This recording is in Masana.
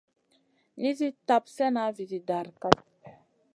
Nizi tap slèna vizi dara kep.